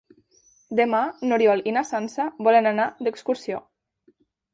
Demà n'Oriol i na Sança volen anar d'excursió.